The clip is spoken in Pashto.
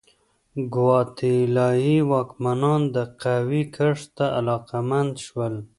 ګواتیلايي واکمنان د قهوې کښت ته علاقمند شول.